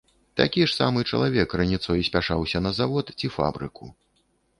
Такі ж самы чалавек раніцой спяшаўся на завод ці фабрыку.